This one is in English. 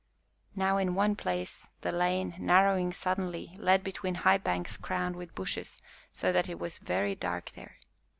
Now in one place the lane, narrowing suddenly, led between high banks crowned with bushes, so that it was very dark there.